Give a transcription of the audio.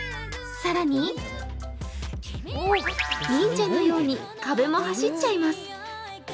更に忍者のように壁も走っちゃいます。